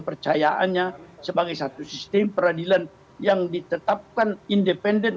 percayaannya sebagai satu sistem peradilan yang ditetapkan independen